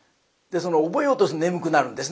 覚えようとすると眠くなるんですね